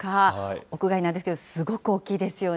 屋外なんですけど、すごく大きいですよね。